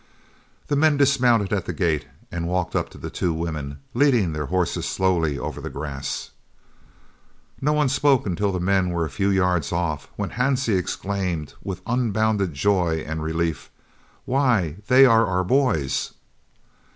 The men dismounted at the gate and walked up to the two women, leading their horses slowly over the grass. No one spoke until the men were a few yards off, when Hansie exclaimed, with unbounded joy and relief, "Why, they are our boys!"